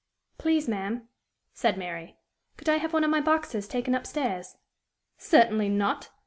"Please, ma'am," said Mary, "could I have one of my boxes taken up stairs?" "Certainly not.